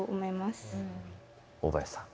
大林さん。